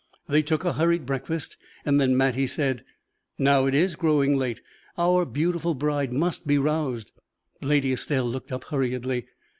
They took a hurried breakfast; then Mattie said: "Now it is growing late our beautiful bride must be roused." Lady Estelle looked up hurriedly.